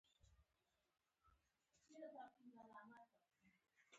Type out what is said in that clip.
دومره قوي استخباراتو سره.